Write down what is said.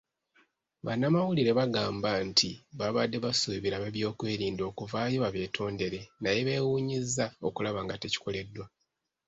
Bannamawulire bagamba nti babadde basuubira ab'ebyokwerinda okuvaayo babeetondere naye beewuunyizza okulaba nga tekikoleddwa.